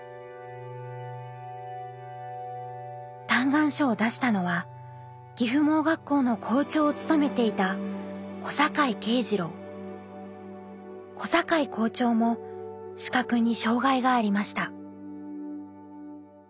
嘆願書を出したのは岐阜盲学校の校長を務めていた小坂井校長も視覚に障害がありました。